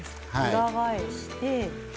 裏返して。